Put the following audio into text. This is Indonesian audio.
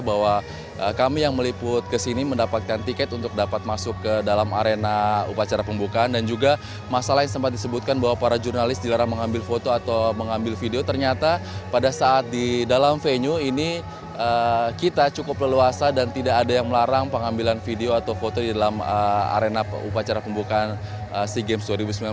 bahwa kami yang meliput kesini mendapatkan tiket untuk dapat masuk ke dalam arena upacara pembukaan dan juga masalah yang sempat disebutkan bahwa para jurnalis dilarang mengambil foto atau mengambil video ternyata pada saat di dalam venue ini kita cukup leluasa dan tidak ada yang melarang pengambilan video atau foto di dalam arena upacara pembukaan sea games dua ribu sembilan belas